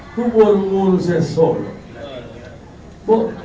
itu burung burung saya solo